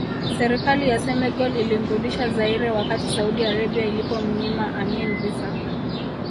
Serikali ya Senegal ilimrudisha Zaire wakati Saudi Arabia ilipomnyima Amin visa